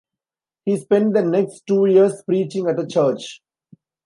He spent the next two years preaching at a church.